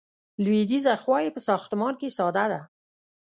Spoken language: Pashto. لویدیځه خوا یې په ساختمان کې ساده ده.